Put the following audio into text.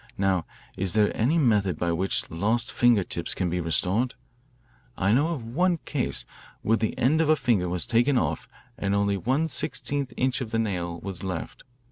Now, is there any method by which lost finger tips can be restored? I know of one case where the end of a finger was taken off and only one sixteenth inch of the nail was left.